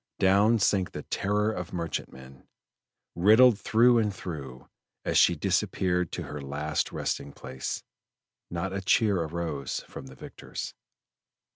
Down sank the terror of merchantmen, riddled through and through, and as she disappeared to her last resting place, not a cheer arose from the victors.